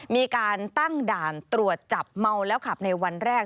มีการตั้งด่านตรวจจับเมาแล้วขับในวันแรก